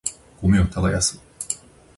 米を耕す